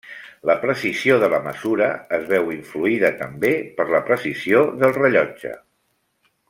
La precisió de la mesura es veu influïda també per la precisió del rellotge.